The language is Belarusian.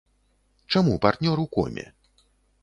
Чаму партнёр у коме?